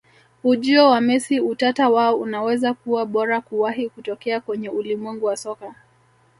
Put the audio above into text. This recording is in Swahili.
Ujio wa Messi Utata wao unaweza kuwa bora kuwahi kutokea kwenye ulimwengu wa soka